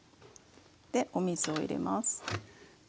でお水を入れます。